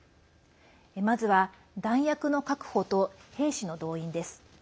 まずは、弾薬の確保と兵士の動員です。